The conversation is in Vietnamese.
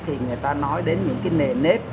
thì người ta nói đến những cái nề nếp